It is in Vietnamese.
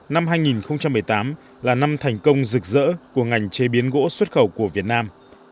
năm hai nghìn một mươi tám là năm thành công rực rỡ của ngành chế biến gỗ xuất khẩu của việt nam